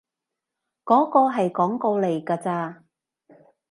嗰個係廣告嚟㗎咋